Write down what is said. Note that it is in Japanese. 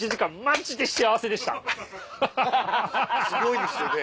すごいですよね